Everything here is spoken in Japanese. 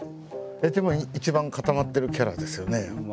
でも一番固まってるキャラですよね。